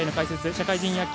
社会人野球